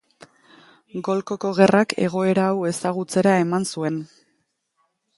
Golkoko Gerrak egoera hau ezagutzera eman zuen.